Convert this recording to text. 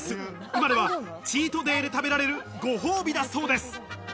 今ではチートデイで食べられるご褒美だそうです。